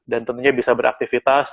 dan tentunya bisa beraktivitas